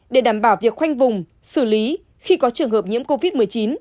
để đảm bảo việc khoanh vùng xử lý khi có trường hợp nhiễm covid một mươi chín